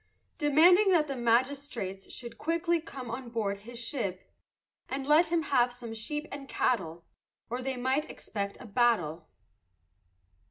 Demanding that the magistrates Should quickly come on board his ship, And let him have some sheep and cattle, Or they might expect a battle.